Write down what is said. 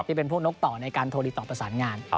ที่เป็นพวกนกต่อในการโทรติดต่อประสานงาน